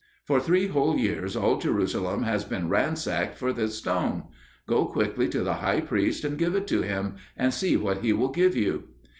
For three whole years all Jerusalem has been ransacked for this stone. Go quickly to the High Priest and give it to him, and see what he will give you!"